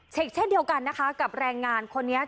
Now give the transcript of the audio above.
เช่นเดียวกันนะคะกับแรงงานคนนี้